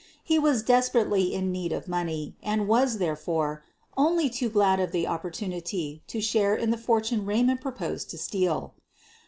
He was desperately in need of money and was, therefore, only too glad of the op portunity to share in the fortune Raymond proposed to steal.